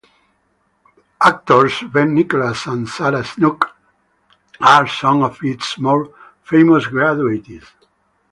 Actors Ben Nicholas and Sarah Snook are some of its more famous graduates.